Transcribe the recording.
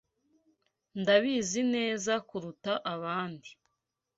Ndabizi neza kuruta abandi.